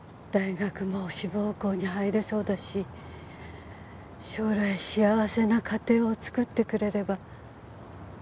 大学も志望校に入れそうだし将来幸せな家庭を作ってくれれば。